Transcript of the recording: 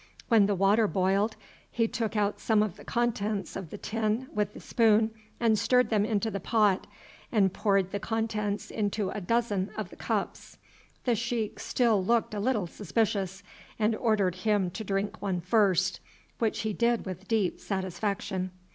When the water boiled he took out some of the contents of the tin with the spoon and stirred them into the pot, and poured the contents into a dozen of the cups. The sheik still looked a little suspicious, and ordered him to drink one first, which he did with deep satisfaction.